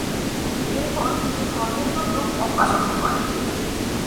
এরপর তিনি হজের জন্য মক্কা সফর করেন।